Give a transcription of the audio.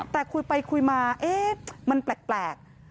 แต่คุยไปคุยมาเอ๊ะมันแปลก